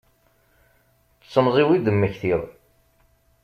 D temẓi-w i d-mmektiɣ.